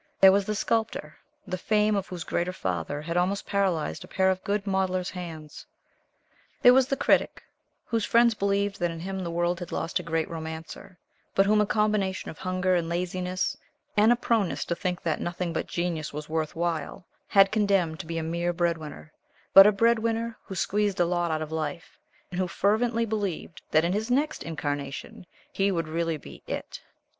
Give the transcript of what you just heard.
There was the Sculptor, the fame of whose greater father had almost paralyzed a pair of good modeller's hands. There was the Critic, whose friends believed that in him the world had lost a great romancer, but whom a combination of hunger and laziness, and a proneness to think that nothing not genius was worth while, had condemned to be a mere breadwinner, but a breadwinner who squeezed a lot out of life, and who fervently believed that in his next incarnation he would really be "it."